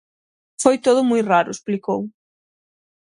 Foi todo moi raro, explicou.